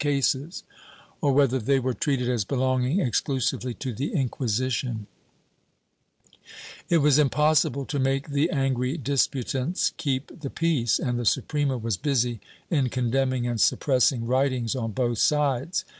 XVI] UNNATVBAL CRIME 361 cases, or whether they were treated as belonging exclusively to the Inquisition/ It was impossible to make the angry disputants keep the peace, and the Suprema was busy in condemning and suppressing writings on both sides.